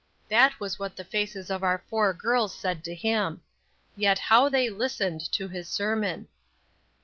That was what the faces of our four girls said to him. Yet how they listened to his sermon.